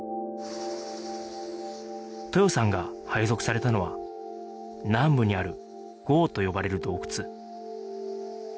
豊さんが配属されたのは南部にある壕と呼ばれる洞窟